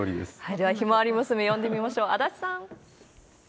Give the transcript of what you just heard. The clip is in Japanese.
では、ヒマワリ娘、呼んでみましょう。